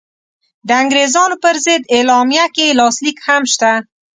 د انګرېزانو پر ضد اعلامیه کې یې لاسلیک هم شته.